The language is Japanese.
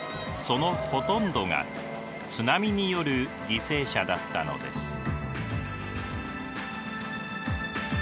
そのほとんどが津波による犠牲者だったのです。